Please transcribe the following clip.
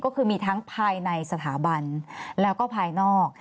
ก็คือมีทั้งภายในสถาบันแล้วก็ภายนอก